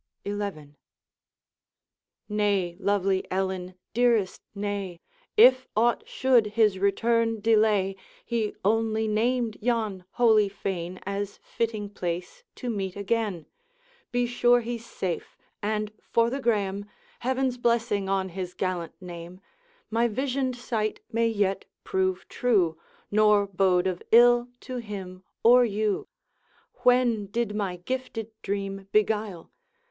XI. 'Nay, lovely Ellen! dearest, nay! If aught should his return delay, He only named yon holy fane As fitting place to meet again. Be sure he's safe; and for the Graeme, Heaven's blessing on his gallant name! My visioned sight may yet prove true, Nor bode of ill to him or you. When did my gifted dream beguile?